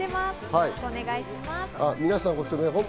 よろしくお願いします。